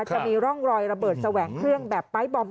จะมีร่องรอยระเบิดแสวงเครื่องแบบไปร์ทบอม